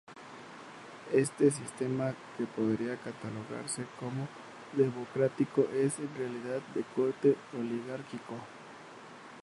Este sistema que podría catalogarse como democrático, es en realidad de corte oligárquico.